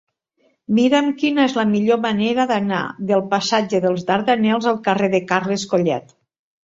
Mira'm quina és la millor manera d'anar del passatge dels Dardanels al carrer de Carles Collet.